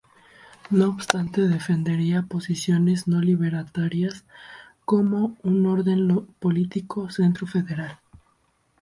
No obstante, defendería posiciones no libertarias como un orden político centro-federal.